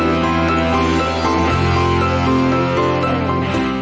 โอ้โหโอ้โหโอ้โห